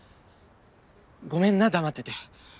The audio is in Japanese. ごめんな黙ってて。